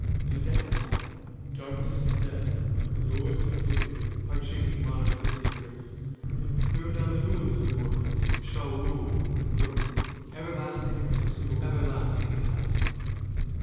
and Death and I, Darkness and Death, Lords of Oblivion, Heart shaking monarchs of the universe, Throned on the ruins of the world, shall rule From everlasting unto everlasting now!